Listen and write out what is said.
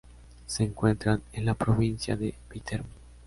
Se encuentran en la provincia de Viterbo.